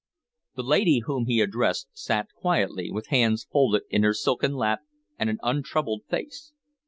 The lady whom he addressed sat quietly, with hands folded in her silken lap and an untroubled face.